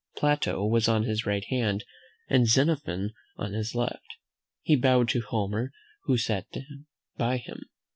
Plato was on his right hand, and Xenophon on his left. He bowed to Homer, and sat down by him.